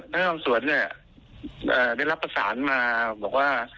นี่มันเพราะสวนได้รับผสานมาบอกว่า